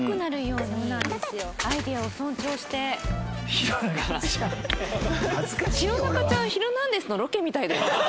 弘中ちゃん『ヒルナンデス！』のロケみたいだよねちょっと。